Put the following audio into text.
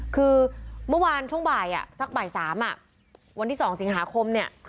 คือเมื่อวานช่วงบ่ายสักบ่าย๓วันที่๒สิงหาคมเนี่ย